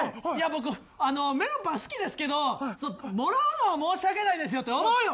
僕メロンパン好きですけどもらうのは申し訳ないですよって思うよ。